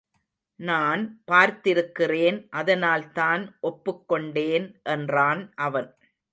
நான் பார்த்திருக்கிறேன் அதனால்தான் ஒப்புக் கொண்டேன் என்றான் அவன்.